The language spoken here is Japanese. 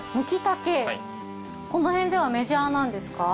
このへんではメジャーなんですか？